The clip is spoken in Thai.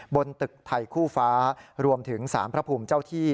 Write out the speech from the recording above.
บนตึกไทยคู่ฟ้ารวมถึงสารพระภูมิเจ้าที่